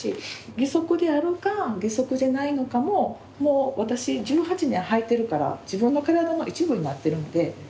義足であるか義足じゃないのかももう私１８年履いてるから自分の体の一部になっているので。